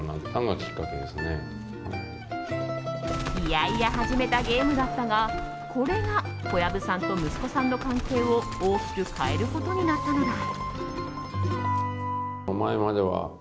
嫌々始めたゲームだったがこれが小籔さんと息子さんの関係を大きく変えることになったのだ。